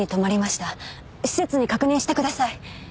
施設に確認してください。